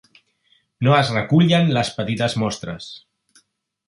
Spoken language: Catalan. No es recullen les petites mostres.